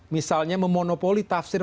misalnya memonopoli tafsir